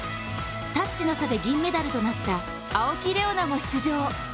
タッチの差で銀メダルとなった青木玲緒樹も出場。